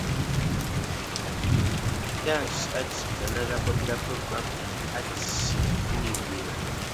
Dance arts is another popular program in Arts Unionville.